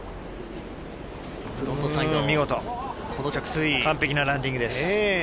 フロントサイド、完璧なランディングです。